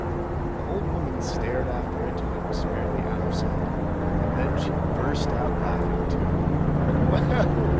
The old woman stared after it till it was fairly out of sight, then she burst out laughing too. "Well